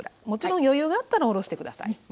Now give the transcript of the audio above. もちろん余裕があったらおろして下さい。